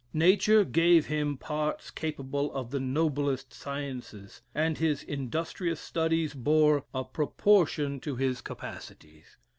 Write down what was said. Nature gave him parts capable of the noblest sciences, and his industrious studies bore a proportion to his capacities.